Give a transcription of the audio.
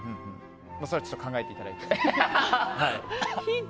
それはちょっと考えていただいて。